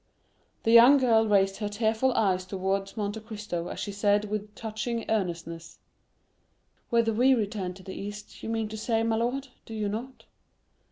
The young girl raised her tearful eyes towards Monte Cristo as she said with touching earnestness, "Whether we return to the East, you mean to say, my lord, do you not?"